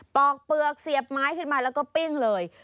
ปอกเปลือกเสียบไม้ขึ้นมาแล้วก็ปิ้งเลย